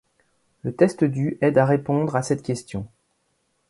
Le test du aide à répondre à cette question.